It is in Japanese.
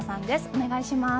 お願いします。